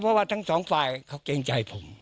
เพราะว่าทั้งสองฝ่ายเขาเกรงใจผม